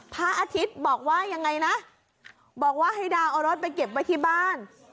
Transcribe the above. พระอาทิตย์บอกว่ายังไงนะบอกว่าให้ดาวเอารถไปเก็บไว้ที่บ้าน